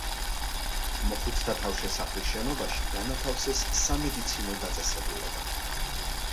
მოხუცთა თავშესაფრის შენობაში განათავსეს სამედიცინო დაწესებულება.